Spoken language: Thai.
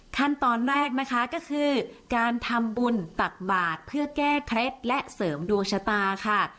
ขั้นตอนแรกนะคะก็คือการทำบุญตักบาทเพื่อแก้เคล็ดและเสริมดวงชะตาค่ะ